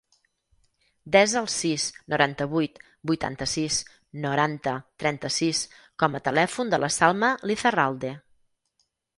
Desa el sis, noranta-vuit, vuitanta-sis, noranta, trenta-sis com a telèfon de la Salma Lizarralde.